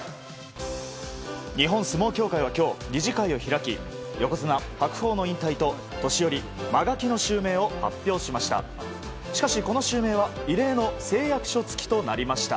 日本相撲協会は今日、理事会を開き横綱・白鵬の引退と年寄・間垣の襲名を発表しました。